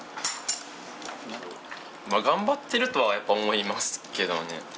まあ頑張ってるとはやっぱり思いますけどね。